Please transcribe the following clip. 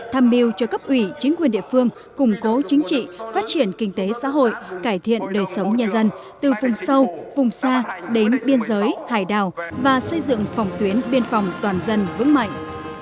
tham mưu cho cấp ủy chính quyền địa phương củng cố chính trị phát triển kinh tế xã hội cải thiện đời sống nhân dân từ vùng sâu vùng xa đến biên giới hải đảo và xây dựng phòng tuyến biên phòng toàn dân vững mạnh